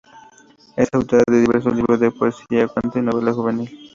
Es autora de diversos libros de poesía, cuento y novela juvenil.